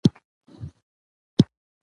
ملتونه د بېوزلۍ له امله نه مري